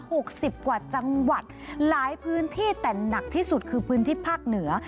หกสิบกว่าจังหวัดหลายพื้นที่แต่หนักที่สุดคือพื้นที่ภาคเหนือ